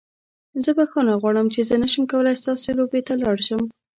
زه بخښنه غواړم چې زه نشم کولی ستاسو لوبې ته لاړ شم.